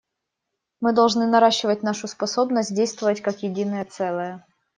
Мы должны наращивать нашу способность действовать как единое целое.